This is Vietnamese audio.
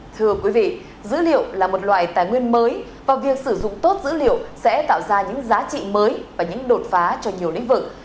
thưa quý vị dữ liệu là một loại tài nguyên mới và việc sử dụng tốt dữ liệu sẽ tạo ra những giá trị mới và những đột phá cho nhiều lĩnh vực